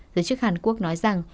giới chức hàn quốc nói rằng